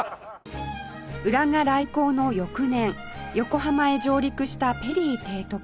浦賀来航の翌年横浜へ上陸したペリー提督